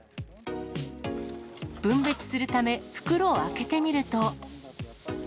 分別するため、袋を開けてみると。